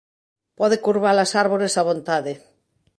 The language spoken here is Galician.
Pode curvar as árbores a vontade.